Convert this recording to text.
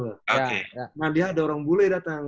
nah dia ada orang bule datang